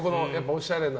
おしゃれな。